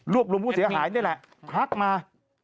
รวมผู้เสียหายนี่แหละทักมา